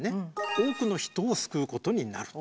多くの人を救うことになると。